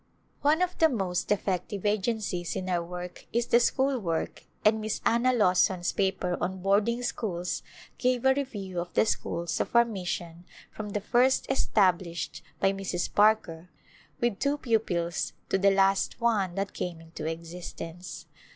One of the most effective agencies in our work is the school work and Miss Anna Lawson's paper on boarding schools gave a review of the schools of our mission from the first established by Mrs. Parker with two pupils to the last one that came into existence.